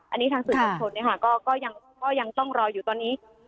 อันนี้ทางสื่อจังทนนะคะก็ยังก็ยังต้องรออยู่ตอนนี้